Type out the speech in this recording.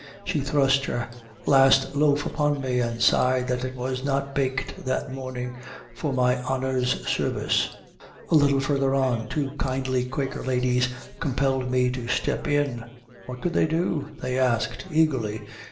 She thrust her last loaf upon me, and sighed that it was not baked that morning for my "honor's service." A little farther on, two kindly Quaker ladies compelled me to step in. "What could they do?" they asked eagerly.